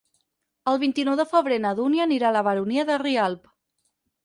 El vint-i-nou de febrer na Dúnia anirà a la Baronia de Rialb.